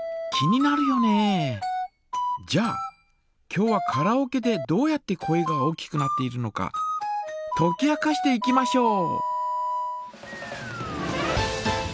じゃあ今日はカラオケでどうやって声が大きくなっているのかとき明かしていきましょう。